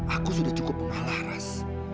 aku sudah cukup mengalah raz